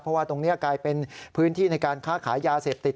เพราะว่าตรงนี้กลายเป็นพื้นที่ในการค้าขายยาเสพติด